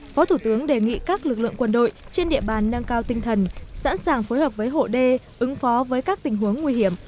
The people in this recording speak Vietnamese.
phó thủ tướng đề nghị các lực lượng quân đội trên địa bàn nâng cao tinh thần sẵn sàng phối hợp với hộ đê ứng phó với các tình huống nguy hiểm